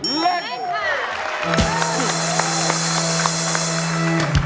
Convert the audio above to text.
เล่นค่ะ